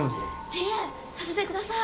いえさせてください！